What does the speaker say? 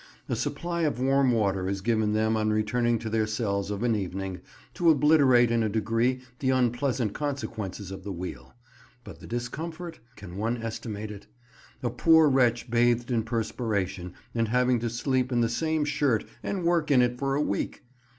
A supply of warm water is given them on returning to their cells of an evening, to obliterate in a degree the unpleasant consequences of the wheel. But the discomfort—can one estimate it? A poor wretch bathed in perspiration, and having to sleep in the same shirt and work in it for a week!